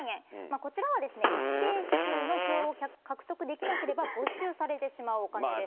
こちらは一定数の票を獲得できなければ没収されてしまうお金です。